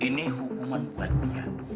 ini hukuman perhatian